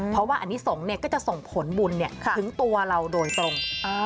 เพราะว่าอันนี้สงฆ์ก็จะส่งผลบุญถึงตัวเราโดยตรง